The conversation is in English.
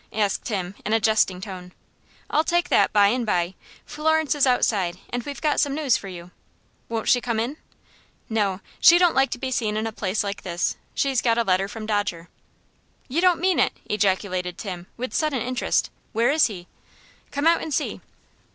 asked Tim, in a jesting tone. "I'll take that by and by. Florence is outside, and we've got some news for you." "Won't she come in?" "No; she don't like to be seen in a place like this. She's got a letter from Dodger." "You don't mean it!" ejaculated Tim, with sudden interest. "Where is he?" "Come out and see."